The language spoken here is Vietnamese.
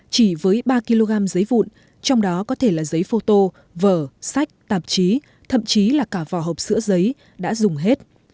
chỉ với ba kg giấy vụn trong đó có thể là giấy phô tô vở sách tạp chí thậm chí là cả vỏ hộp sữa giấy đã dùng hết